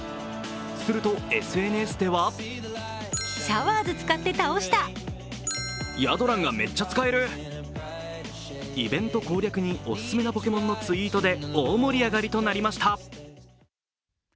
すると、ＳＮＳではイベント攻略にオススメなポケモンのツイートで大盛り上がりとなりました。